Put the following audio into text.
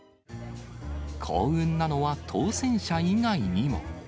幸運なのは当せん者以外にも。